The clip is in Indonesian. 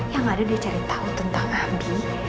yang ada dia cari tau tentang abi